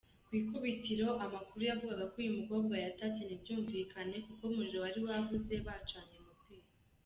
Kwikwibitiro amakuru yavugaga ko uyu mukobwa yatatse ntibyumvikane kuko umuriro wari wabuze bacanye moteri.